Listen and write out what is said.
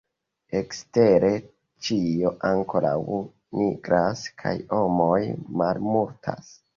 Ekstere, ĉio ankoraŭ nigras, kaj homoj malmultas.